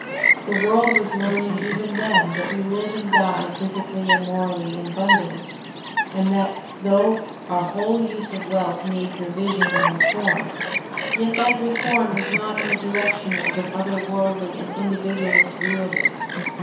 The worid was learning even then that we Uve and die physically and morally in bimdles, and that though our "whole use of wealth needs revision and reform," yet that refOTm is not in the direction of an other worldly and individ ualist view of it.